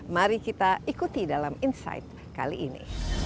mari kita ikuti dalam insight kali ini